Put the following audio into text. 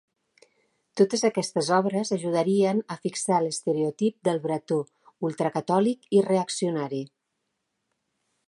Totes aquestes obres ajudarien a fixar l'estereotip del bretó ultracatòlic i reaccionari.